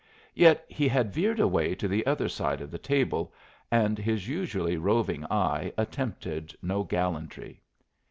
Yet he had veered away to the other side of the table, and his usually roving eye attempted no gallantry.